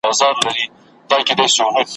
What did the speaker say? بس د خان مشکل به خدای کړي ور آسانه ,